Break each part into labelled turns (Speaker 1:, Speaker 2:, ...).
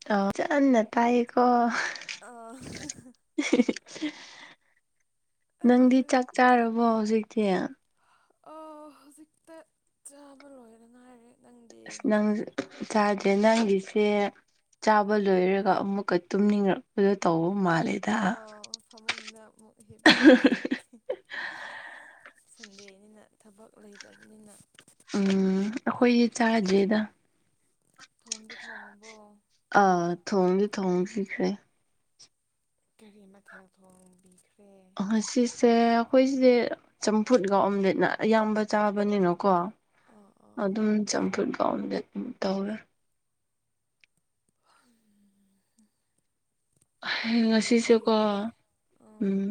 Speaker 1: [unintelligible] ꯇꯥꯏꯌꯦꯀꯣ
Speaker 2: ꯑ
Speaker 1: ꯅꯪꯗꯤ ꯆꯥꯛ ꯆꯥꯔꯕꯣ ꯍꯧꯖꯤꯛꯇꯤ
Speaker 2: ꯑ ꯍꯧꯖꯤꯛꯇ ꯆꯥꯕ ꯂꯣꯏꯗ ꯉꯥꯏꯔꯤ
Speaker 1: ꯑꯁ ꯅꯪ ꯆꯥꯗ꯭ꯔꯤ ꯅꯪꯒꯤꯁꯦ ꯆꯥꯕ ꯂꯣꯏꯔꯒ ꯑꯃꯨꯛꯀ ꯇꯨꯝꯅꯤꯡꯔꯛꯄꯗꯣ ꯇꯧꯕ ꯃꯥꯜꯂꯦ
Speaker 2: ꯑ ꯐꯃꯨꯡꯗ ꯑꯃꯨꯛ ꯍꯤꯞꯄꯤꯅꯦ ꯁꯟꯗꯦꯅꯤꯅ ꯊꯕꯛ ꯂꯩꯇꯕꯅꯤꯅ
Speaker 1: ꯎꯝ ꯑꯩꯈꯣꯏꯗꯤ ꯆꯥꯗꯔ꯭ꯤꯗꯥ
Speaker 2: ꯊꯣꯡꯗꯤ ꯊꯣꯡꯉꯕꯣ
Speaker 1: ꯑꯥ ꯊꯣꯡꯁꯨ ꯊꯣꯡꯗꯔ꯭ꯤ ꯑꯩꯈꯣꯏ
Speaker 2: ꯀꯥꯔꯤ ꯃꯊꯦꯜ ꯊꯣꯡꯕꯤꯈ꯭ꯔꯦ
Speaker 1: ꯉꯁꯤꯁꯦ ꯑꯩꯈꯣꯏꯁꯦ ꯆꯝꯐꯨꯠꯒ ꯑꯣꯝꯂꯦꯠꯅ ꯑꯌꯥꯝꯕ ꯆꯥꯕꯅꯤꯅꯀꯣ
Speaker 2: ꯑꯣ ꯑꯣ
Speaker 1: ꯑꯗꯨꯝ ꯆꯝꯐꯨꯠꯀꯥ ꯑꯣꯝꯂꯦꯠ ꯑꯗꯨꯝ ꯇꯧꯋꯦ
Speaker 2: [unintelligible] ꯐꯥꯒꯤ
Speaker 1: ꯉꯁꯤꯁꯦꯀꯣ
Speaker 2: ꯐꯥꯒꯤꯗꯒꯤ
Speaker 1: ꯎꯝ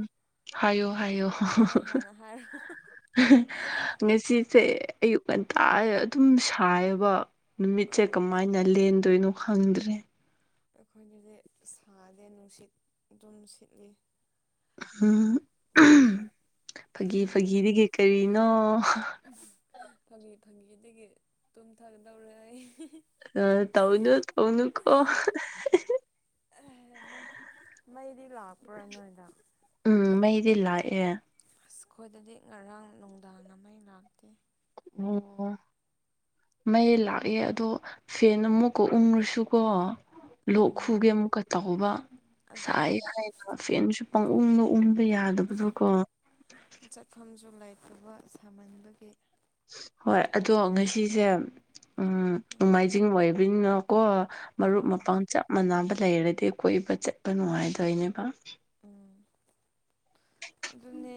Speaker 1: ꯍꯥꯏꯌꯣ ꯍꯥꯏꯌꯣ
Speaker 2: ꯅꯪ ꯍꯥꯟꯅ ꯍꯥꯏꯔꯣ
Speaker 1: ꯉꯁꯤꯁꯦ ꯑꯌꯨꯛ ꯉꯟꯇꯥ ꯑꯗꯨꯝ ꯁꯥꯏꯌꯦꯕ ꯅꯨꯃꯤꯠꯁꯦ
Speaker 2: ꯑꯣ
Speaker 1: ꯀꯃꯥꯏꯅ ꯂꯦꯟꯗꯣꯏꯅꯣ ꯈꯪꯗ꯭ꯔꯦ
Speaker 2: ꯑꯩꯈꯣꯏꯒꯤꯗꯤ ꯁꯥꯗꯦ ꯅꯨꯡꯁꯤꯠ ꯑꯗꯨꯝ ꯁꯤꯠꯂꯤ
Speaker 1: ꯎꯝ ꯐꯥꯒꯤ ꯐꯥꯒꯤꯗꯒꯤ ꯀꯔꯤꯅꯣ
Speaker 2: ꯐꯪꯒꯤ ꯐꯪꯒꯤꯗꯒꯤ ꯇꯨꯝꯊꯥꯒꯗꯧꯔꯦ ꯑꯩ
Speaker 1: ꯑ ꯇꯧꯅꯣ ꯇꯧꯅꯨꯀꯣ
Speaker 2: ꯃꯩꯗꯤ ꯂꯥꯛꯄ꯭ꯔꯥ ꯅꯣꯏꯗ
Speaker 1: ꯎꯝ ꯃꯩꯗꯤ ꯂꯥꯛꯑꯦ
Speaker 2: ꯑꯁ ꯈꯈꯣꯏꯗꯗꯤ ꯉꯔꯥꯡ ꯅꯨꯡꯗꯥꯡ ꯑꯃ ꯂꯥꯛꯇꯦ
Speaker 1: ꯑꯣ ꯃꯩ ꯂꯥꯛꯑꯦ ꯑꯗꯣ ꯐꯦꯟ ꯑꯃꯨꯛꯀ ꯎꯡꯉꯁꯨꯀꯣ ꯂꯣꯛ
Speaker 2: ꯎꯝ
Speaker 1: ꯈꯨꯒꯦ ꯑꯃꯨꯛꯀ ꯇꯧꯕ ꯁꯥꯏ
Speaker 2: ꯑꯗꯨꯅꯦ
Speaker 1: ꯍꯥꯏꯅ ꯐꯦꯟꯁꯨ ꯄꯪꯎꯟꯗ ꯎꯟꯉꯤ ꯑ ꯌꯥꯗꯕꯗꯨ ꯀꯣ
Speaker 2: ꯆꯠꯐꯝꯁꯨ ꯂꯩꯇꯕ ꯁꯥꯃꯟꯕꯒꯤ
Speaker 1: ꯍꯣꯏ ꯑꯗꯣ ꯉꯁꯤꯁꯦ
Speaker 2: ꯎꯝ
Speaker 1: ꯅꯣꯡꯃꯥꯏꯖꯤꯡ ꯑꯣꯏꯕꯅꯤꯅꯀꯣ ꯃꯔꯨꯞ
Speaker 2: ꯑꯥ
Speaker 1: ꯃꯄꯥꯡ ꯆꯞ ꯃꯥꯟꯅꯕ ꯂꯩꯔꯗꯤ ꯀꯣꯏꯕ ꯆꯠꯄ ꯅꯨꯡꯉꯥꯏꯗꯣꯏꯅꯦꯕ
Speaker 2: ꯎꯝ ꯑꯗꯨꯅꯦ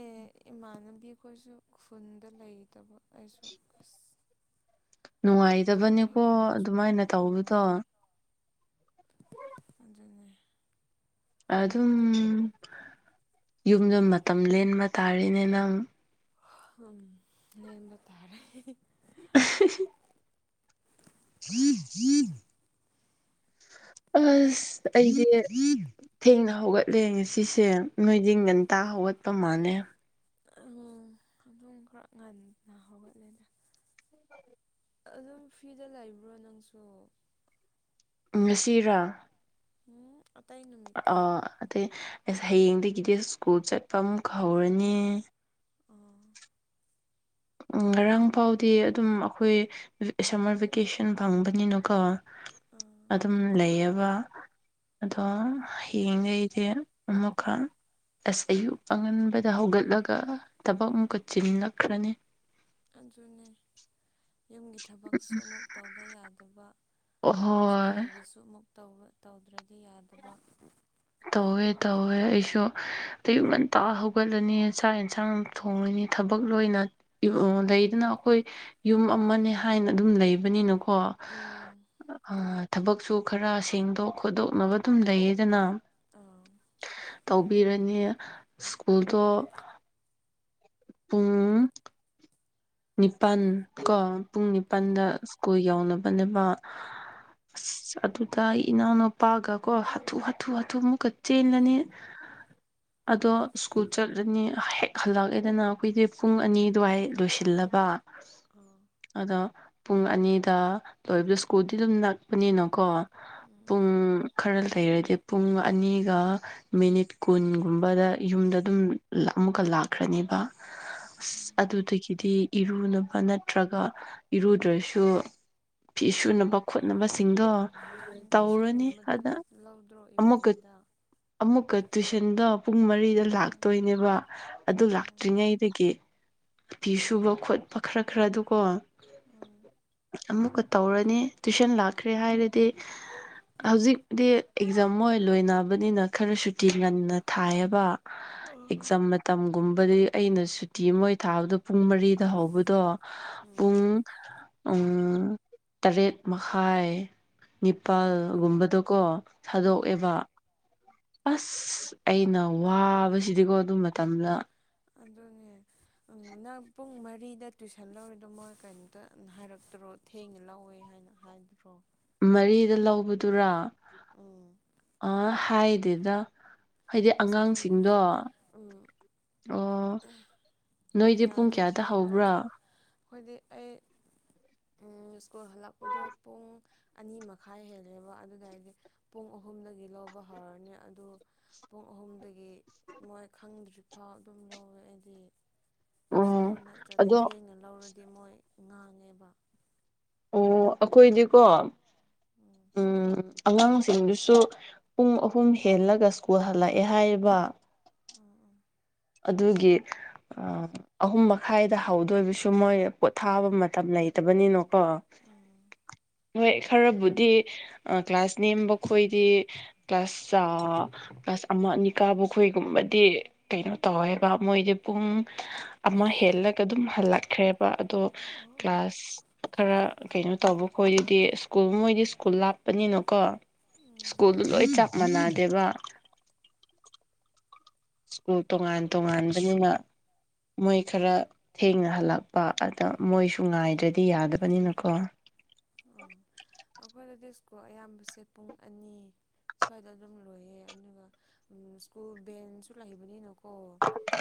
Speaker 2: ꯏꯃꯥꯟꯅꯕꯤꯈꯣꯏꯁꯨ ꯈꯨꯟꯗ ꯂꯩꯇꯕ ꯑꯩꯁꯨ ꯑꯁ
Speaker 1: ꯅꯨꯡꯉꯥꯏꯇꯕꯅꯤꯀꯣ
Speaker 2: ꯕꯣꯔꯤꯡ ꯌꯥꯝ ꯆꯨꯋꯦ
Speaker 1: ꯑꯗꯨꯃꯥꯏꯅ
Speaker 2: ꯎꯝ
Speaker 1: ꯇꯧꯕꯗꯣ
Speaker 2: ꯑꯗꯨꯅꯦ
Speaker 1: ꯑꯗꯨꯝ ꯌꯨꯝꯗ ꯃꯇꯝ ꯂꯦꯟꯕ ꯇꯥꯔꯦꯅꯦ ꯅꯪ
Speaker 2: ꯎꯝ ꯂꯦꯟꯕ ꯇꯥꯔꯦ
Speaker 1: ꯍ [unintelligible] ꯑꯁ ꯑꯩꯗꯤ ꯊꯦꯡꯅ ꯍꯧꯒꯠꯂꯦ ꯉꯁꯤꯁꯦ ꯅꯣꯏꯗꯤ ꯉꯟꯇꯥ ꯍꯧꯒꯠꯄ ꯃꯥꯜꯂꯦ
Speaker 2: ꯎ ꯑꯗꯨꯝ ꯈꯔ ꯉꯟꯅ ꯍꯧꯒꯠꯂꯦꯗ ꯑꯗꯨꯝ ꯐꯔ꯭ꯤꯗ ꯂꯩꯕ꯭ꯔꯣ ꯅꯪꯁꯨ
Speaker 1: ꯉꯁꯤꯔꯥ
Speaker 2: ꯎꯝ ꯑꯇꯩꯥ ꯅꯨꯃꯤꯠ
Speaker 1: ꯑ ꯑꯗꯩ ꯑꯁ ꯍꯌꯦꯡꯗꯒꯤꯗꯤ ꯁ꯭ꯀꯨꯜ ꯆꯠꯄ ꯑꯃꯨꯛ ꯍꯧꯔꯅꯤ
Speaker 2: ꯑꯣꯥ
Speaker 1: ꯉꯔꯥꯡ ꯐꯥꯎꯗꯤ ꯑꯗꯨꯝ ꯑꯩꯈꯣꯏ ꯁꯝꯃꯔ ꯚꯦꯀꯦꯁꯟ ꯐꯪꯕꯅꯤꯅꯀꯣ꯫
Speaker 2: ꯑꯥ꯫
Speaker 1: ꯑꯗꯨꯝ ꯂꯩꯌꯦꯕ ꯑꯗꯣ ꯍꯌꯦꯡꯗꯩꯗꯤ ꯑꯃꯨꯛꯀ ꯑꯁ ꯑꯌꯨꯛ ꯑꯉꯟꯕꯗ ꯍꯧꯒꯠꯂꯒ ꯊꯕꯛ ꯑꯃꯨꯛꯀ ꯆꯤꯜꯂꯛꯈ꯭ꯔꯅꯤ꯫
Speaker 2: ꯑꯗꯨꯅꯦ ꯌꯨꯝꯒꯤ ꯊꯕꯛꯁꯨ ꯑꯃꯨꯛ ꯇꯧꯗ ꯌꯥꯗꯕ꯫
Speaker 1: ꯑꯍꯣꯏ
Speaker 2: ꯁ꯭ꯀꯨꯜꯒꯤꯁꯨ ꯑꯃꯨꯛ ꯇꯧꯑ ꯇꯧꯗ꯭ꯔꯗꯤ ꯌꯥꯗꯕ꯫
Speaker 1: ꯇꯧꯋꯦ ꯇꯧꯋꯦ ꯑꯩꯁꯨ ꯑꯌꯨꯛ ꯉꯟꯇꯥ ꯍꯧꯒꯠꯂꯅꯤ ꯆꯥꯛ ꯌꯦꯟꯁꯥꯡ ꯊꯣꯡꯉꯅꯤ ꯊꯕꯛ ꯂꯣꯏꯅ ꯂꯩꯗꯅ ꯑꯈꯣꯏ ꯌꯨꯝ ꯑꯃꯅꯦ ꯍꯥꯏꯅ ꯑꯗꯨꯝ ꯂꯩꯕꯅꯤꯅꯀꯣ꯫
Speaker 2: ꯎꯝ꯫
Speaker 1: ꯑ ꯊꯕꯛꯁꯨ ꯈꯔ ꯁꯦꯡꯗꯣꯛ ꯈꯣꯠꯇꯣꯛꯅꯕ ꯑꯗꯨꯝ ꯂꯩꯌꯦꯗꯅ꯫
Speaker 2: ꯑꯥꯎ꯫
Speaker 1: ꯇꯧꯕꯤꯔꯅꯤ ꯁ꯭ꯀꯨꯜꯗꯣ ꯄꯨꯡ ꯅꯤꯄꯥꯟ ꯀꯣ ꯄꯨꯡ
Speaker 2: ꯑꯥ
Speaker 1: ꯅꯤꯄꯥꯟꯗ
Speaker 2: ꯑꯥ
Speaker 1: ꯁ꯭ꯀꯨꯜ ꯌꯧꯅꯕꯅꯦꯅꯕ꯫ ꯑꯁ ꯑꯗꯨꯗ ꯑꯩ ꯏꯅꯥꯎꯅꯨꯄꯥꯒ ꯀꯣ ꯍꯥꯊꯨ ꯍꯥꯊꯨ ꯍꯥꯊꯨ ꯃꯨꯛꯀ ꯆꯦꯜꯂꯅꯤ꯫ [unintelligible] ꯑꯗꯣ ꯁ꯭ꯀꯨꯜ ꯆꯠꯂꯅꯤ ꯍꯦꯛ ꯍꯜꯂꯛꯑꯦꯗꯅ ꯑꯩꯈꯣꯏꯗꯤ ꯄꯨꯡ ꯑꯅꯤ ꯑꯗꯨꯋꯥꯏ ꯂꯣꯏꯁꯤꯟ ꯂꯕꯥ
Speaker 2: ꯑꫭ꯫
Speaker 1: ꯑꯗꯣ ꯄꯨꯡ ꯑꯅꯤꯗ ꯂꯣꯏꯕꯗꯣ ꯁ꯭ꯀꯨꯜꯗꯤ ꯑꯗꯨꯝ ꯅꯛꯄꯅꯤꯅꯀꯣ꯫ ꯄꯨꯡ
Speaker 2: ꯎꯝ
Speaker 1: ꯈꯔ ꯂꯩꯔꯗꯤ ꯄꯨꯡ ꯑꯅꯤꯒ ꯃꯤꯅꯤꯠ ꯀꯨꯟꯒꯨꯝꯕꯗ ꯌꯨꯝꯗ ꯑꯗꯨꯝ ꯂ ꯑꯃꯨꯛꯀ ꯂꯥꯛꯈ꯭ꯔꯅꯤꯕ꯫ ꯑꯁ ꯑꯗꯨꯗꯒꯤꯗꯤ ꯏꯔꯨꯅꯕ ꯅꯠꯇ꯭ꯔꯒ ꯏꯔꯨꯗ꯭ꯔꯁꯨ ꯐꯤ ꯁꯨꯅꯕ ꯈꯣꯠꯅꯕꯁꯤꯡꯗꯣ
Speaker 2: ꯎꯝ
Speaker 1: ꯇꯧꯔꯅꯤ
Speaker 2: ꯇꯨꯏꯁꯟꯒꯨꯝꯕꯗꯤ
Speaker 1: ꯑꯗ
Speaker 2: ꯂꯧ ꯂꯧꯗ꯭ꯔꯣ
Speaker 1: ꯑꯃꯨꯛꯀ
Speaker 2: ꯏꯚꯤꯅꯤꯡꯗ
Speaker 1: ꯑꯃꯨꯛꯀ ꯇꯨꯏꯁꯟꯗꯣ ꯄꯨꯡ ꯃꯔꯤꯗ
Speaker 2: ꯎꯝ
Speaker 1: ꯂꯥꯛꯇꯣꯏꯅꯦꯕ ꯑꯗꯨ
Speaker 2: ꯎꯝ
Speaker 1: ꯂꯥꯛꯇ꯭ꯔꯤꯉꯩꯗꯒꯤ ꯑꯄꯤ ꯁꯨꯕ ꯈꯣꯠꯄ ꯈꯔ ꯈꯔꯗꯨꯀꯣ꯫
Speaker 2: ꯎꯝ꯫
Speaker 1: ꯑꯃꯨꯛꯀ ꯇꯧꯔꯅꯤ ꯇꯨꯏꯁꯟ ꯂꯥꯛꯈ꯭ꯔꯦ ꯍꯥꯏꯔꯗꯤ ꯍꯧꯖꯤꯛꯇꯤ ꯑꯦꯛꯖꯥꯝ ꯃꯣꯏ ꯂꯣꯏꯅꯕꯅꯤꯅ ꯈꯔ ꯁꯨꯇꯤ ꯉꯟꯅ ꯊꯥꯏꯑꯦꯕꯥ꯫
Speaker 2: ꯎꯝ
Speaker 1: ꯑꯦꯛꯖꯥꯝ ꯃꯇꯝꯒꯨꯝꯕꯗꯤ ꯑꯩꯅ ꯁꯨꯇꯤ ꯃꯣꯏ ꯊꯥꯕꯗꯨ ꯄꯨꯡ ꯃꯔꯤꯗ ꯍꯧꯕꯗꯣ
Speaker 2: ꯎꯝ
Speaker 1: ꯄꯨꯡ ꯎꯪ ꯇꯔꯦꯠ ꯃꯈꯥꯏ꯫ ꯅꯤꯄꯥꯜꯒꯨꯝꯕꯗꯀꯣ
Speaker 2: ꯎꯝ
Speaker 1: ꯊꯥꯗꯣꯛꯑꯦꯕ꯫ ꯑꯁ ꯑꯩꯅ ꯋꯥꯕꯁꯤꯗꯤꯀꯣ ꯑꯗꯨ ꯃꯇꯝꯗ꯫
Speaker 2: ꯑꯗꯨꯅꯦ ꯎꯝ ꯅꯪ ꯄꯨꯡ ꯃꯔꯤꯗ ꯇꯨꯏꯁꯟ ꯂꯧꯔꯤꯗꯣ ꯃꯣꯏ ꯀꯔꯤꯝꯇ ꯍꯥꯏꯔꯛꯇ꯭ꯔꯣ ꯊꯦꯡꯉꯦ ꯂꯧꯋꯦ ꯍꯥꯏꯅ ꯍꯥꯏꯗ꯭ꯔꯣ꯫
Speaker 1: ꯃꯔꯤꯗ ꯂꯧꯕꯗꯨꯔꯥ
Speaker 2: ꯎꯝ
Speaker 1: ꯑ ꯍꯥꯏꯗꯦꯗ꯫ ꯍꯥꯏꯗꯤ
Speaker 2: ꯑꯁ
Speaker 1: ꯑꯉꯥꯡꯁꯤꯡꯗꯣ
Speaker 2: ꯑꯩꯈꯣꯏꯗꯗꯤ ꯎꯝ
Speaker 1: ꯑꯣ ꯅꯣꯏꯗꯤ ꯄꯨꯡ
Speaker 2: ꯌꯥꯗꯦ
Speaker 1: ꯀꯌꯥꯗ
Speaker 2: ꯑꯩꯈꯣꯏꯗ
Speaker 1: ꯍꯧꯕ꯭ꯔꯥ
Speaker 2: ꯑꯈꯣꯏꯗꯤ ꯑꯩ ꯎ ꯁ꯭ꯀꯨꯜ ꯍꯜꯂꯛꯄꯗꯣ ꯄꯨꯡ ꯑꯅꯤ ꯃꯈꯥꯏ ꯍꯦꯜꯂꯦꯕ ꯑꯗꯨꯗ ꯍꯥꯏꯗꯤ ꯄꯨꯡ ꯑꯍꯨꯝꯗꯒꯤ ꯂꯧꯕ ꯍꯧꯔꯅꯤ ꯑꯗꯨ ꯄꯨꯡ ꯑꯍꯨꯝꯗꯒꯤ ꯃꯣꯏ ꯈꯪꯗ꯭ꯔꯤꯐꯥꯎ ꯑꯗꯨꯝ ꯂꯧꯋꯦ ꯑꯩꯗꯤ꯫ ꯑꯁ
Speaker 1: ꯑꯣ
Speaker 2: ꯑꯗꯨ ꯅꯠꯇ꯭ꯔꯗꯤ
Speaker 1: ꯑꯗꯣ
Speaker 2: ꯊꯦꯡꯅ ꯂꯧꯔꯗꯤ ꯃꯣꯏ ꯉꯥꯡꯉꯦꯕ꯫
Speaker 1: ꯑꯣ ꯑꯩꯈꯣꯏꯗꯤꯀꯣ
Speaker 2: ꯎꯝ
Speaker 1: ꯎꯝ ꯑꯉꯥꯡꯁꯤꯡꯗꯨꯁꯨ ꯄꯨꯡ ꯑꯍꯨꯝ ꯍꯦꯜꯂꯒ ꯁ꯭ꯀꯨꯜ ꯍꯜꯂꯛꯑꯦ ꯍꯥꯏꯌꯦꯕ
Speaker 2: ꯎꯝ ꯎꯝ
Speaker 1: ꯑꯗꯨꯒꯤ ꯑꯥ ꯑꯍꯨꯝ ꯃꯈꯥꯏꯗ ꯍꯧꯗꯣꯏꯕꯁꯨ ꯃꯣꯏ ꯄꯣꯊꯥꯕ ꯃꯇꯝ ꯂꯩꯇꯕꯅꯤꯅꯀꯣ
Speaker 2: ꯎꯝ
Speaker 1: ꯃꯣꯏ ꯈꯔꯕꯨꯗꯤ ꯀ꯭ꯂꯥꯁ ꯅꯦꯝꯕ ꯈꯣꯏꯗꯤ ꯀ꯭ꯂꯥꯁ ꯆꯥꯎ ꯀ꯭ꯂꯥꯁ ꯑꯃ ꯑꯅꯤ ꯀꯥꯕꯨ ꯑꯩꯈꯣꯏꯒꯨꯝꯕꯗꯤ ꯀꯩꯅꯣ ꯇꯧꯋꯦꯕ ꯃꯣꯏꯗꯤ ꯄꯨꯡ ꯑꯃ ꯍꯦꯜꯂꯒ ꯑꯗꯨꯝ ꯍꯜꯂꯛꯈ꯭ꯔꯦꯕ ꯑꯗꯣ ꯀ꯭ꯂꯥꯁ ꯈꯔ ꯀꯩꯅꯣ ꯇꯧꯕ ꯈꯣꯏꯗꯨꯗꯤ ꯁ꯭ꯀꯨꯜ ꯃꯣꯏꯗꯤ ꯁ꯭ꯀꯨꯜ ꯂꯥꯞꯄꯅꯤꯅꯀꯣ ꯁ꯭ꯀꯨꯜꯗꯣ ꯂꯣꯏ ꯆꯞ ꯃꯥꯟꯅꯗꯦꯕ ꯁ꯭ꯀꯨꯜ ꯇꯣꯉꯥꯟ ꯇꯣꯉꯥꯟꯕꯅꯤꯅ ꯃꯣꯏ ꯈꯔ ꯊꯦꯡꯅ ꯍꯜꯂꯛꯄ ꯑꯗ ꯃꯣꯏꯁꯨ ꯉꯥꯏꯗ꯭ꯔꯗꯤ ꯌꯥꯗꯕꯅꯤꯅꯀꯣ
Speaker 2: ꯎꯝ ꯑꯩꯈꯣꯏꯗꯗꯤ ꯁ꯭ꯀꯨꯜ ꯑꯌꯥꯝꯕꯁꯦ ꯄꯨꯡ ꯑꯅꯤ ꯁ꯭ꯋꯥꯏꯗ ꯑꯗꯨꯝ ꯂꯣꯏꯌꯦ ꯑꯗꯨꯒ ꯁ꯭ꯀꯨꯜ ꯕꯦꯟꯁꯨ ꯂꯩꯕꯅꯤꯅꯀꯣ ꯑꯣ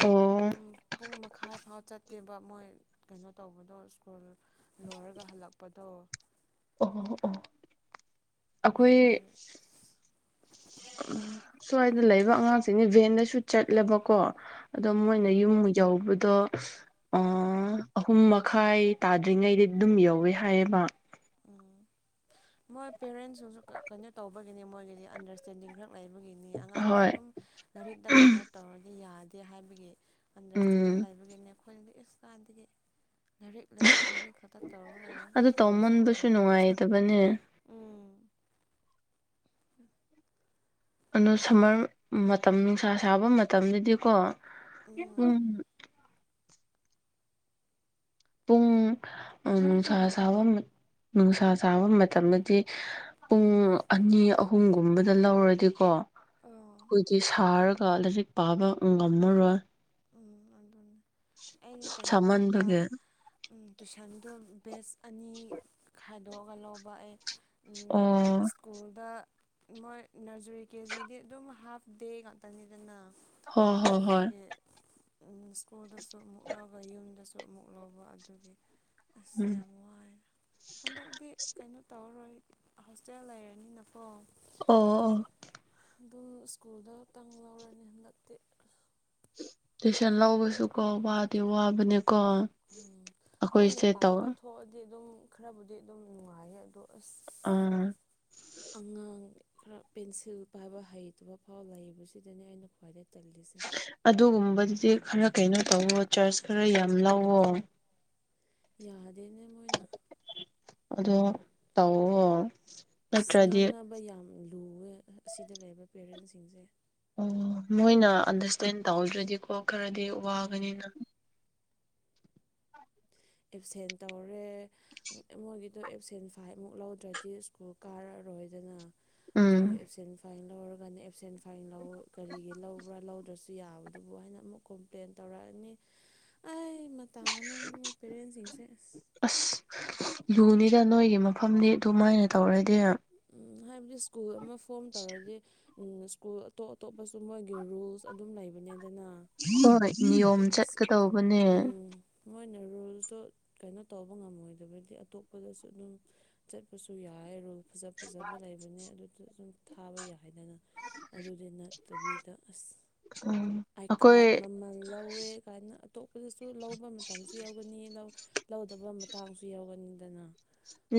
Speaker 1: ꯑꯣ
Speaker 2: ꯑꯗꯨꯝ ꯄꯨꯡ ꯃꯈꯥꯏ ꯐꯥꯎ ꯆꯠ ꯇꯦꯕ ꯃꯣꯏ ꯀꯩꯅꯣ ꯇꯧꯕꯗꯣ ꯁ꯭ꯀꯨꯜ ꯂꯣꯏꯔꯒ ꯍꯜꯂꯛꯄꯗꯣ
Speaker 1: ꯑꯣ ꯑꯣ ꯑꯩꯈꯣꯏ
Speaker 2: ꯑꯗꯨ
Speaker 1: ꯎꯝ ꯁ꯭ꯋꯥꯏꯗ ꯂꯩꯕ ꯑꯉꯥꯡꯁꯤꯡꯅꯦ ꯚꯦꯟꯗꯁꯨ ꯆꯠꯂꯦꯕꯀꯣ ꯑꯗꯣ ꯃꯣꯏꯅ
Speaker 2: ꯎꯝ
Speaker 1: ꯌꯨꯝ ꯌꯧꯕꯗꯣ ꯑꯥ ꯑꯍꯨꯝ ꯃꯈꯥꯏ ꯇꯥꯗ꯭ꯔꯤꯉꯩꯗꯤ ꯑꯗꯨꯝ ꯌꯧꯋꯦ ꯍꯥꯏꯌꯦꯕ
Speaker 2: ꯎꯝ ꯃꯣꯏ ꯄꯦꯔꯦꯟꯁꯤꯡꯁꯨ ꯀꯩꯅꯣ ꯇꯧꯕꯒꯤꯅꯤ ꯃꯣꯏꯒꯤꯗꯤ ꯑꯟꯗꯔꯁꯇꯦꯟꯗꯤꯡ ꯈꯔ ꯂꯩꯕꯒꯤꯅꯤ ꯑꯉꯥꯡꯗ
Speaker 1: ꯍꯣꯏ
Speaker 2: ꯑꯗꯨꯝ ꯂꯥꯏꯔꯤꯛꯇ ꯀꯩꯅꯣ ꯇꯧꯔꯗꯤ ꯌꯥꯗꯦ ꯍꯥꯏꯕꯒꯤ
Speaker 1: ꯎꯝ
Speaker 2: ꯑꯟꯗꯔꯁꯇꯦꯟꯗꯤꯡ ꯂꯩꯕꯒꯤꯅꯦ ꯑꯩꯈꯣꯏꯅꯗꯤ ꯑꯁ ꯀꯥꯏꯗꯒꯤ ꯂꯥꯏꯔꯤꯛ ꯂꯥꯏꯔꯤꯛ ꯂꯥꯏꯔꯤꯛ ꯈꯛꯇ ꯇꯧꯔꯒ ꯂꯩꯔꯦ
Speaker 1: ꯑꯗꯨ
Speaker 2: ꯑꯣꯏꯁꯨ
Speaker 1: ꯇꯧꯃꯟꯕꯁꯨ
Speaker 2: ꯑꯣꯏꯔꯣꯏꯗꯧꯗ
Speaker 1: ꯅꯨꯡꯉꯥꯏꯇꯕꯅꯦ
Speaker 2: ꯎꯝ
Speaker 1: ꯑꯗꯣ ꯁꯝꯃꯔ ꯃꯇꯝ ꯅꯨꯡꯁꯥ ꯁꯥꯕ ꯃꯇꯝꯗꯗꯤꯀꯣ
Speaker 2: ꯎꯝ
Speaker 1: ꯄꯨꯡ ꯄꯨꯡ ꯅꯨꯡꯁꯥ ꯁꯥꯕ ꯅꯨꯡꯁꯥ ꯁꯥꯕ ꯃꯇꯝꯗꯗꯤ ꯄꯨꯡ ꯑꯅꯤ ꯑꯍꯨꯝꯒꯨꯝꯕꯗ ꯂꯧꯔꯗꯤꯀꯣ
Speaker 2: ꯑꯣ
Speaker 1: ꯑꯩꯈꯣꯏꯒꯤ ꯁꯥꯔꯒ ꯂꯥꯏꯔꯤꯛ ꯄꯥꯕ ꯉꯝꯃꯔꯣꯏ
Speaker 2: ꯎꯝ ꯑꯗꯨꯅꯦ ꯑꯩꯗꯤ ꯀꯩꯅꯣ ꯇꯧꯕ
Speaker 1: ꯁꯥꯃꯟꯕꯒꯤ
Speaker 2: ꯎꯝ ꯇꯨꯏꯁꯟꯗꯣ ꯕꯦꯁ ꯑꯅꯤ ꯈꯥꯏꯗꯣꯛꯑꯒ ꯂꯧꯕ ꯑꯩ ꯎꯝ
Speaker 1: ꯑꯣ
Speaker 2: ꯁ꯭ꯀꯨꯜꯗ ꯃꯣꯏ ꯅꯔꯖꯔꯤ ꯀꯦ ꯖꯤꯗꯤ ꯑꯗꯨꯝ ꯍꯥꯐ ꯗꯦ ꯉꯥꯛꯇꯅꯤꯗꯅ
Speaker 1: ꯍꯣꯏ ꯍꯣꯏ ꯍꯣꯏ
Speaker 2: ꯑꯗꯨꯒꯤ ꯁ꯭ꯀꯨꯜꯗꯁꯨ ꯑꯃꯨꯛ [unintelligible] ꯌꯨꯝꯗꯁꯨ ꯑꯃꯨꯛ ꯂꯧꯕ ꯑꯗꯨꯒꯤ ꯑꯁ
Speaker 1: ꯎꯝ
Speaker 2: ꯌꯥꯝ ꯋꯥꯏꯗ ꯍꯟꯗꯛꯇꯤ ꯀꯩꯅꯣ ꯇꯧꯔꯔꯣꯏ ꯍꯣꯁꯇꯦꯜ ꯂꯩꯔꯅꯤꯅꯀꯣ
Speaker 1: ꯑꯣ ꯑꯣ
Speaker 2: ꯑꯗꯨ ꯁ꯭ꯀꯨꯜꯗꯇꯪ ꯂꯧꯔꯅꯤ ꯍꯟꯗꯛꯇꯤ
Speaker 1: ꯇꯨꯏꯁꯟ ꯂꯧꯕꯁꯨ ꯀꯣ ꯋꯥꯗꯤ ꯋꯥꯕꯅꯦꯀꯣ
Speaker 2: ꯎꯝ ꯃꯣꯏꯅ
Speaker 1: ꯑꯩꯈꯣꯏꯁꯦ ꯇꯧ
Speaker 2: ꯄꯥꯝꯕ ꯊꯣꯛꯑꯗꯤ ꯑꯗꯨꯝ ꯈꯔꯕꯨꯗꯤ ꯑꯗꯨꯝ ꯅꯨꯡꯉꯥꯏꯌꯦ ꯑꯗꯣ ꯑꯁ
Speaker 1: ꯑꯥ
Speaker 2: ꯑꯉꯥꯡ ꯈꯔ ꯄꯦꯟꯁꯤꯜ ꯄꯥꯏꯕ ꯍꯩꯇꯕ ꯐꯥꯎ ꯂꯩꯕꯁꯤꯗꯅꯦ ꯑꯩꯅ ꯈ꯭ꯋꯥꯏꯗꯩ ꯇꯜꯂꯤꯁꯦ
Speaker 1: ꯑꯗꯨꯒꯨꯝꯕꯗꯨꯗꯤ ꯈꯔ ꯀꯩꯅꯣ ꯇꯧꯋꯣ ꯆꯥꯔꯖ ꯈꯔ ꯌꯥꯝ ꯂꯧꯋꯣ
Speaker 2: ꯌꯥꯗꯦꯅꯦ ꯃꯣꯏꯅ
Speaker 1: ꯑꯗꯣ ꯇꯧꯋꯣ
Speaker 2: ꯑꯁ
Speaker 1: ꯅꯠꯇ꯭ꯔꯗꯤ
Speaker 2: ꯉꯥꯡꯅꯕ ꯌꯥꯝ ꯂꯨꯋꯦ ꯑꯁꯤꯗ ꯂꯩꯔꯤꯕ ꯄꯦꯔꯦꯟꯁꯁꯤꯡꯁꯦ
Speaker 1: ꯑꯣ ꯃꯣꯏꯅ ꯑꯟꯗꯔꯁꯇꯦꯟ ꯇꯧꯗ꯭ꯔꯗꯤꯀꯣ ꯈꯔꯗꯤ
Speaker 2: ꯎꯝ
Speaker 1: ꯋꯥꯒꯅꯤꯗ
Speaker 2: ꯑꯦꯞꯁꯦꯟ ꯇꯧꯔꯦ ꯃꯣꯏꯒꯤꯗꯣ ꯑꯦꯞꯁꯦꯟ ꯐꯥꯏꯃꯨꯛ ꯂꯧꯗ꯭ꯔꯗꯤ ꯁ꯭ꯀꯨꯜ ꯀꯥꯔꯛꯑꯔꯣꯏꯗꯅ ꯑꯗꯨꯒꯤ
Speaker 1: ꯎꯝ
Speaker 2: ꯑꯦꯞꯁꯦꯟ ꯐꯥꯏꯟ ꯂꯧꯔꯒꯅ ꯑꯦꯞꯁꯦꯟ ꯐꯥꯏꯟ ꯂꯧ ꯀꯔꯤꯒꯤ ꯂꯧꯕ꯭ꯔꯥ ꯂꯧꯗ꯭ꯔꯁꯨ ꯌꯥꯕꯗꯨꯕꯨ ꯍꯥꯏꯅ ꯑꯃꯨꯛ ꯀꯣꯝꯄ꯭ꯂꯦꯟ ꯇꯧꯔꯛꯑꯅꯤ ꯑꯩ ꯃꯇꯥ ꯑꯃꯅꯦ ꯃꯣꯏ ꯄꯦꯔꯦꯟꯁꯁꯤꯡꯁꯦ ꯑꯁ
Speaker 1: ꯑꯁ ꯌꯨꯅꯤꯗ ꯅꯣꯏꯒꯤ ꯃꯐꯝꯅꯤ ꯑꯗꯨꯃꯥꯏꯅ ꯇꯧꯔꯗꯤ
Speaker 2: ꯎꯝ ꯍꯥꯏꯕꯗꯤ ꯁ꯭ꯀꯨꯜ ꯑꯃ ꯐꯣꯔꯝ ꯇꯧꯔꯗꯤ ꯁ꯭ꯀꯨꯜ ꯑꯇꯣꯞ ꯑꯇꯣꯞꯄꯁꯨ ꯃꯣꯏꯒꯤ ꯔꯨꯜꯁ ꯑꯗꯨꯝ ꯂꯩꯕꯅꯤꯗꯅ
Speaker 1: ꯍꯣꯏ ꯅꯤꯌꯣꯝ
Speaker 2: ꯑꯗꯨꯒꯤ ꯑꯁ
Speaker 1: ꯆꯠꯀꯗꯧꯕꯅꯦ
Speaker 2: ꯎꯝ ꯃꯣꯏꯅ ꯔꯨꯜꯁꯇꯣ ꯀꯩꯅꯣ ꯇꯧꯕ ꯉꯝꯃꯣꯏꯗꯕꯗꯤ ꯑꯇꯣꯞꯄꯗꯁꯨ ꯑꯗꯨꯝ ꯆꯠꯄꯁꯨ ꯌꯥꯏꯌꯦ ꯔꯨꯜ ꯐꯖ ꯐꯖꯕ ꯂꯩꯕꯅꯦ ꯑꯗꯨꯗ ꯑꯗꯨꯨꯝ ꯊꯥꯕ ꯌꯥꯏꯗꯅ ꯑꯗꯨꯗ ꯅꯠꯇꯕꯤꯗ ꯑꯁ
Speaker 1: ꯎꯝ
Speaker 2: ꯑꯥꯏ
Speaker 1: ꯑꯩꯈꯣꯏ
Speaker 2: ꯀꯥꯔꯗ ꯃꯃꯜ ꯂꯧꯋꯦ ꯀꯥꯏꯅ ꯑꯇꯣꯞꯄꯗꯁꯨ ꯂꯧꯕ ꯃꯇꯝꯁꯨ ꯌꯥꯎꯒꯅꯤ ꯂꯧ ꯂꯧꯗꯕ ꯃꯇꯥꯡꯁꯨ ꯌꯥꯎꯒꯅꯤꯡꯗꯅ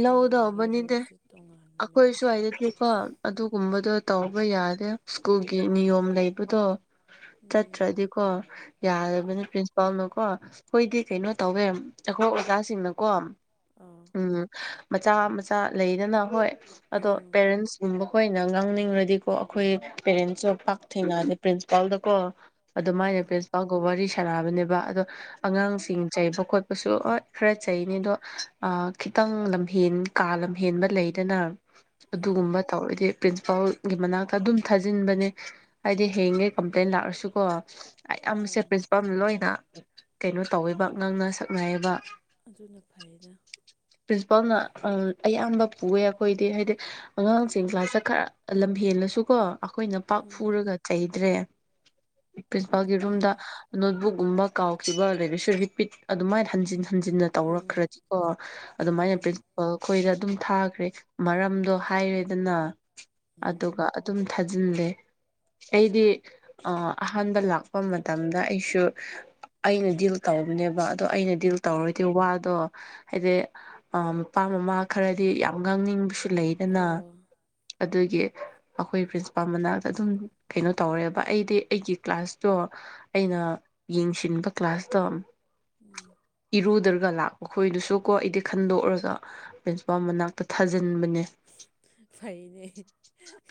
Speaker 1: ꯂꯧꯗꯧꯕꯅꯤꯗꯦ
Speaker 2: ꯇꯣꯉꯥꯟꯕꯅꯦꯕ
Speaker 1: ꯑꯈꯣꯏꯁꯨ ꯍꯥꯏꯗꯗꯤꯀꯣ ꯑꯗꯨꯒꯨꯝꯕꯗꯣ ꯇꯧꯕ ꯌꯥꯗꯦ ꯁ꯭ꯀꯨꯜꯒꯤ ꯅꯤꯌꯣꯝ ꯂꯩꯕꯗꯣ
Speaker 2: ꯎꯝ
Speaker 1: ꯆꯠꯇ꯭ꯔꯗꯤꯀꯣ
Speaker 2: ꯎꯝ
Speaker 1: ꯌꯥꯗꯕꯅꯤ ꯄ꯭ꯔꯤꯟꯁꯤꯄꯥꯜꯅꯀꯣ ꯑꯩꯈꯣꯏꯗꯤ ꯀꯩꯅꯣ ꯇꯧꯋꯦ ꯑꯩꯈꯣꯏ ꯑꯣꯖꯥꯁꯤꯡꯅꯀꯣ
Speaker 2: ꯑꯥ
Speaker 1: ꯎꯝ ꯃꯆꯥ ꯃꯆꯥ ꯂꯩꯗꯅ ꯍꯣꯏ ꯑꯗꯣ
Speaker 2: ꯎꯝ
Speaker 1: ꯄꯦꯔꯦꯟꯁꯒꯨꯝꯕ ꯑꯈꯣꯏꯅ ꯉꯥꯡꯅꯤꯡꯔꯥꯗꯤꯀꯣ ꯑꯈꯣꯏ ꯄꯦꯔꯦꯟꯁꯁꯨ ꯄꯥꯛ ꯊꯦꯡꯅꯗꯦ ꯄ꯭ꯔꯤꯟꯁꯤꯄꯥꯜꯗꯀꯣ ꯑꯗꯨꯃꯥꯏꯅ
Speaker 2: ꯑꯥ
Speaker 1: ꯄ꯭ꯔꯤꯟꯁꯤꯄꯥꯜꯒ ꯋꯥꯔꯤ ꯁꯥꯟꯅꯕꯅꯦꯕ ꯑꯗꯣ
Speaker 2: ꯎꯝ
Speaker 1: ꯑꯉꯥꯡꯁꯤꯡ ꯆꯩꯕ ꯈꯣꯠꯄꯁꯨ ꯍꯣꯏ ꯈꯔ ꯆꯩꯅꯤ ꯑꯗꯣ ꯑꯥ ꯈꯤꯇꯪ ꯂꯝꯍꯦꯟ ꯀꯥ ꯂꯝꯍꯦꯟꯕ ꯂꯩꯗꯅ
Speaker 2: ꯎꯝ
Speaker 1: ꯑꯗꯨꯒꯨꯝꯕ ꯇꯧꯔꯥꯗꯤ ꯄ꯭ꯔꯤꯟꯁꯤꯄꯥꯜꯒꯤ ꯃꯅꯥꯛꯇ ꯑꯗꯨꯝ ꯊꯥꯖꯤꯟꯕꯅꯦ ꯍꯥꯏꯗꯤ ꯍꯌꯦꯡꯒꯩ ꯀꯝꯄ꯭ꯂꯦꯟ ꯂꯥꯛꯑꯁꯨꯀꯣ ꯑꯌꯥꯝ
Speaker 2: ꯑꯣ
Speaker 1: ꯆꯠꯄꯁꯦ ꯄ꯭ꯔꯤꯟꯁꯤꯄꯥꯜ ꯂꯣꯏꯅ ꯀꯩꯅꯣ ꯇꯧꯋꯦꯕ ꯉꯥꯡꯅ ꯁꯛꯅꯌꯦꯕ
Speaker 2: ꯑꯗꯨꯅ ꯐꯩꯗ
Speaker 1: ꯄ꯭ꯔꯤꯟꯁꯤꯄꯥꯜꯅ ꯑꯥ ꯑꯌꯥꯝꯕ ꯄꯨꯑꯦ ꯑꯈꯣꯏꯗꯤ ꯍꯥꯏꯗꯤ ꯑꯉꯥꯡꯁꯤꯡ ꯀ꯭ꯂꯥꯁꯇ ꯈꯔ ꯂꯝ ꯍꯦꯜꯂꯁꯨꯀꯣ ꯈꯣꯏꯅ ꯄꯥꯛ
Speaker 2: ꯎꯝ
Speaker 1: ꯐꯨꯔꯥꯒ ꯆꯩꯗ꯭ꯔꯦ ꯄ꯭ꯔꯤꯟꯁꯤꯄꯥꯜꯒꯤ ꯔꯨꯝꯗ
Speaker 2: ꯐꯩꯌꯦ
Speaker 1: ꯅꯣꯠꯕꯨꯛꯒꯨꯝꯕ ꯀꯥꯎꯈꯤꯕ ꯂꯩꯥꯔꯥꯁꯨ ꯔꯤꯄꯤꯠ ꯑꯗꯨꯃꯥꯏꯅ ꯍꯟꯖꯤꯟ ꯍꯟꯖꯤꯟꯅ
Speaker 2: ꯎꯝ
Speaker 1: ꯇꯧꯔꯛꯈ꯭ꯔꯗꯤꯀꯣ ꯑꯗꯨꯃꯥꯏꯅ
Speaker 2: ꯎꯝ
Speaker 1: ꯄ꯭ꯔꯤꯟꯁꯤꯄꯜ ꯈꯣꯏ ꯑꯗꯨꯝ ꯊꯥꯒ꯭ꯔꯦ ꯃꯔꯝꯗꯣ ꯍꯥꯏꯔꯦꯗꯅ
Speaker 2: ꯎꯝ
Speaker 1: ꯑꯗꯨꯒ ꯑꯗꯨꯝ ꯊꯥꯖꯤꯜꯂꯦ ꯑꯩꯗꯤ ꯑꯥ ꯑꯍꯥꯟꯕ ꯂꯥꯛꯄ ꯃꯇꯝꯗ ꯑꯩꯁꯨ ꯑꯩꯅ ꯗꯤꯜ ꯇꯧꯕꯅꯦꯕ ꯑꯗꯣ ꯑꯩꯅ ꯗꯤꯜ
Speaker 2: ꯎꯝ
Speaker 1: ꯇꯧꯔꯣꯏꯗꯤ ꯋꯥꯗꯣ ꯍꯥꯏꯗꯤ ꯑꯥ ꯃꯄꯥ ꯃꯃꯥ ꯈꯔꯗꯤ ꯌꯥꯝ ꯉꯥꯡꯅꯤꯡꯕꯁꯨ ꯂꯩꯗꯅ
Speaker 2: ꯑꯥ
Speaker 1: ꯑꯗꯨꯒꯤ ꯑꯈꯣꯏ ꯄ꯭ꯔꯤꯟꯁꯤꯄꯥꯜ ꯃꯅꯥꯛꯇ ꯑꯗꯨꯝ ꯀꯩꯅꯣ ꯇꯧꯔꯦꯕ ꯑꯩꯗꯤ ꯑꯩꯒꯤ ꯀ꯭ꯂꯥꯁꯇꯣ ꯑꯩꯅ ꯌꯦꯡꯁꯤꯟꯕ ꯀ꯭ꯂꯥꯁꯇꯣ
Speaker 2: ꯎꯝ
Speaker 1: ꯏꯔꯨꯗ꯭ꯔꯥꯒ ꯂꯥꯛꯄꯈꯣꯏꯗꯨꯁꯨ ꯀꯣ ꯑꯩꯗꯤ ꯈꯟꯗꯣꯛꯔꯒ ꯄ꯭ꯔꯤꯟꯁꯤꯄꯥꯜ ꯃꯅꯥꯛꯇ ꯊꯥꯖꯤꯟꯕꯅꯦ
Speaker 2: ꯐꯩꯅꯦ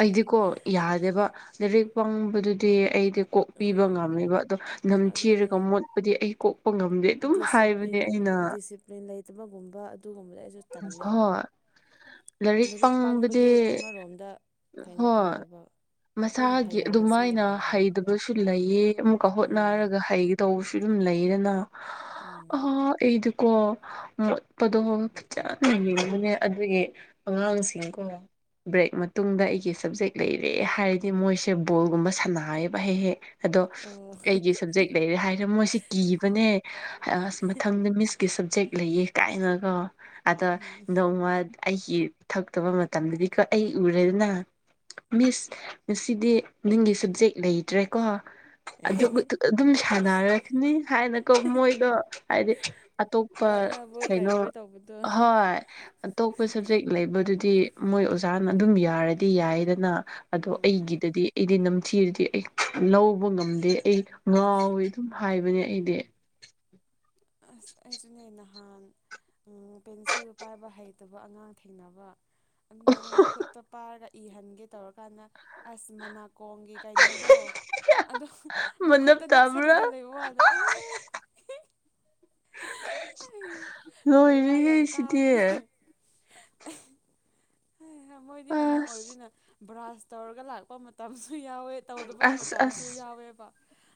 Speaker 1: ꯑꯩꯗꯤꯀꯣ ꯌꯥꯗꯦꯕ ꯂꯥꯏꯔꯤꯛ ꯄꯪꯕꯗꯨꯗꯤ ꯑꯩ ꯀꯣꯛꯄꯤꯕ
Speaker 2: ꯎꯝ
Speaker 1: ꯉꯝꯃꯦꯕ ꯑꯗꯣ
Speaker 2: ꯑꯗꯨꯅꯦ
Speaker 1: ꯅꯝꯊꯤꯔꯒ ꯃꯣꯠꯄꯗꯤ ꯑꯩ ꯀꯣꯛꯄ ꯉꯝꯗꯦ ꯑꯗꯨꯝ ꯍꯥꯏꯕꯅꯦ ꯑꯩꯅ
Speaker 2: ꯗꯤꯖꯤꯄꯔꯤꯟ ꯂꯩ ꯒꯨꯝꯕ ꯑꯗꯨꯒꯨꯝꯕꯗꯤ
Speaker 1: ꯍꯣꯢ ꯂꯥꯏꯔꯤꯛ ꯄꯪꯕꯗꯤ
Speaker 2: ꯀꯩꯅꯣ
Speaker 1: ꯍꯣꯢ
Speaker 2: ꯇꯧꯋꯦꯕ ꯑꯩꯈꯣꯏꯅ
Speaker 1: ꯃꯁꯥꯒꯤ
Speaker 2: ꯍꯩꯍꯜꯂꯁꯨ
Speaker 1: ꯑꯗꯨꯃꯥꯏꯅ
Speaker 2: ꯌꯥꯏꯑꯕ
Speaker 1: ꯍꯩꯗꯕꯁꯨ ꯂꯩꯑꯦ ꯑꯃꯨꯛꯀ
Speaker 2: ꯎꯝ
Speaker 1: ꯍꯣꯠꯅꯔꯒ ꯍꯩ ꯇꯧꯕꯁꯨ ꯑꯗꯨꯝ ꯂꯩꯗꯅ
Speaker 2: ꯎꯝ
Speaker 1: ꯑꯥ ꯑꯩꯗꯨꯀꯣ ꯃꯣꯠꯄꯗꯣ ꯐꯖꯅ ꯌꯦꯡꯕꯅꯦ ꯑꯗꯨꯢ ꯑꯉꯥꯡꯁꯤꯡ ꯀꯣ ꯕ꯭ꯔꯦꯛ ꯃꯇꯨꯡꯗ ꯑꯩꯒꯤ ꯁꯕꯖꯦꯛ ꯂꯩꯔꯦ ꯍꯥꯏꯔꯗꯤ ꯃꯣꯏꯁꯦ ꯕꯣꯜꯒꯨꯝꯕ ꯁꯥꯟꯅꯌꯦꯕ ꯍꯦꯛ-ꯍꯦꯛ ꯑꯗꯣ
Speaker 2: ꯑꯣ
Speaker 1: ꯑꯩꯒꯤ ꯁꯞꯖꯦꯛ ꯂꯩꯔꯦ ꯍꯥꯏꯔ ꯀꯤꯔꯦ ꯃꯣꯏꯁꯤ ꯀꯤꯕꯅꯦ ꯑꯁ ꯃꯊꯪꯗ ꯃꯤꯁꯀꯤ ꯁꯕꯖꯦꯛ ꯂꯩꯌꯦ ꯀꯥꯏꯅꯒꯣ ꯑꯗꯣ
Speaker 2: ꯎꯝ
Speaker 1: ꯅꯣꯡꯃꯥ ꯑꯩꯒꯤ ꯊꯛꯇꯕ ꯃꯇꯝꯗꯗꯤ ꯑꯩ ꯎꯔꯦꯗꯅ ꯃꯤꯁ ꯉꯁꯤꯗꯤ ꯅꯪꯒꯤ ꯁꯕꯖꯦꯛ ꯂꯩꯇ꯭ꯔꯦꯀꯣ ꯑꯗꯨꯝ ꯑꯗꯨꯝ ꯁꯥꯟꯅꯔꯅꯤ ꯍꯥꯏꯅꯀꯣ ꯃꯣꯏꯗꯣ ꯍꯥꯏꯗꯤ ꯑꯇꯣꯞꯄ
Speaker 2: ꯂꯥꯛꯅꯕꯣꯏ
Speaker 1: ꯀꯩꯅꯣ
Speaker 2: ꯀꯩꯕꯣꯏ ꯇꯧꯕꯗꯣ
Speaker 1: ꯍꯣꯏ ꯑꯇꯣꯞꯄ ꯁꯕꯖꯦꯛ ꯂꯩꯕꯗꯨꯗꯤ ꯃꯣꯏ ꯑꯣꯖꯥꯅ ꯑꯗꯨꯝ ꯌꯥꯔꯗꯤ ꯌꯥꯏꯗꯅ ꯑꯗꯣ
Speaker 2: ꯎꯝ
Speaker 1: ꯑꯩꯒꯤꯗꯗꯤ ꯑꯩꯗꯤ ꯅꯝꯊꯤꯔꯗꯤ ꯑꯩ ꯂꯧꯕ ꯉꯝꯗꯦ ꯑꯩꯗꯣ ꯉꯥꯎꯋꯦ ꯑꯗꯨꯝ ꯍꯥꯏꯕꯅꯦ ꯑꯩꯗꯤ
Speaker 2: ꯑꯁ ꯑꯁꯨꯅꯦ ꯅꯍꯥꯟ ꯎꯝ ꯄꯦꯟꯁꯤꯜ ꯄꯥꯏꯕ ꯍꯩꯇꯕ ꯑꯉꯥꯡ ꯊꯦꯡꯅꯕ ꯑꯗꯨꯗꯗꯤ ꯃꯈꯨꯠꯇꯣ ꯄꯥꯏꯔꯒ ꯏꯍꯟꯒꯦ ꯇꯧꯔꯀꯥꯟꯗ ꯑꯁ ꯃꯅꯥꯀꯣꯡꯒꯤ ꯀꯩꯅꯣꯗꯣ ꯑꯗꯣ
Speaker 1: ꯃꯅꯞ
Speaker 2: ꯃꯈꯨꯠꯇ
Speaker 1: ꯇꯥꯕ꯭ꯔꯥ
Speaker 2: ꯅꯞꯁꯤꯜꯂꯒ ꯂꯩꯕ ꯋꯥꯅꯦ ꯑꯁ
Speaker 1: [inaudible]
Speaker 2: ꯕꯦꯔꯥ
Speaker 1: ꯂꯣꯏꯔꯦꯍꯦ
Speaker 2: ꯌꯥꯝ
Speaker 1: ꯁꯤꯗꯤ
Speaker 2: ꯀꯥꯕꯅꯦ ꯃꯣꯏꯗꯤ ꯑꯉꯥꯡ
Speaker 1: ꯑꯁ
Speaker 2: ꯑꯣꯏꯕꯅꯤꯅ ꯕ꯭ꯔꯥꯁ ꯇꯧꯔꯒ ꯂꯥꯛꯄ ꯃꯇꯝꯁꯨ ꯌꯥꯎꯋꯦ ꯇꯧꯗꯕ
Speaker 1: ꯑꯁ
Speaker 2: ꯃꯇꯝꯁꯨ
Speaker 1: ꯑꯁ
Speaker 2: ꯌꯥꯎꯋꯦꯕ꯫